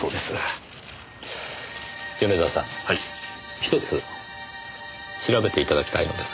１つ調べて頂きたいのですが。